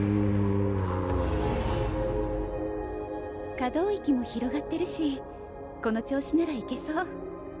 可動域も広がってるしこの調子ならいけそう。